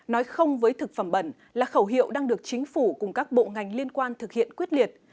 nói không với thực phẩm bẩn là khẩu hiệu đang được chính phủ cùng các bộ ngành liên quan thực hiện quyết liệt